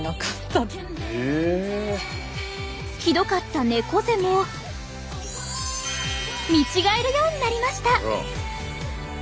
ひどかった猫背も見違えるようになりました！